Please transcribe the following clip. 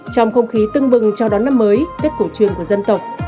trong không khí tưng bừng chào đón năm mới tết cổ truyền của dân tộc